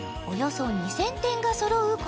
およそ２０００点がそろう